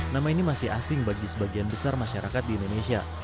nama ini masih asing bagi sebagian besar masyarakat di indonesia